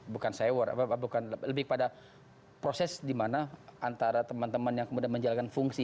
bukan saya war bukan lebih pada proses di mana antara teman teman yang kemudian menjalankan fungsi